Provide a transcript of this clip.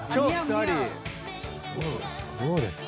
どうですか？